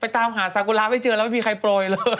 ไปตามหาศักราษณ์ไม่เจอแล้วไม่มีใครปลอดิสัยเลย